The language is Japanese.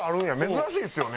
珍しいですよね。